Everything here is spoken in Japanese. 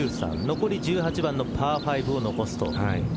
残り１８番のパー５を残すと。